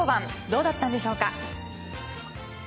どうだったんでしょうか。